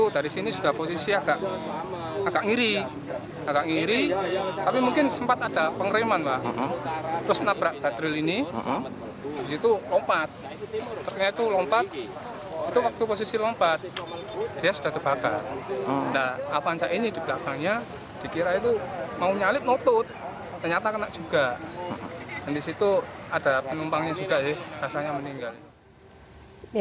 dan di situ ada penumpangnya juga rasanya meninggal